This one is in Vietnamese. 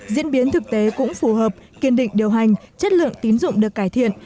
diễn biến thực tế cũng phù hợp kiên định điều hành chất lượng tín dụng được cải thiện